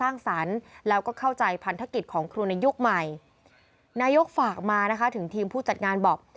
นายกฯฝากมาถึงทีมผู้จัดงานบอก